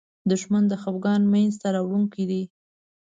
دښمن د خپګان مینځ ته راوړونکی دی